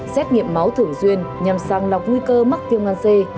xét nghiệm máu thường xuyên nhằm sang lọc nguy cơ mắc viêm gan c